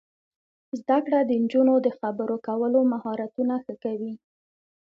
زده کړه د نجونو د خبرو کولو مهارتونه ښه کوي.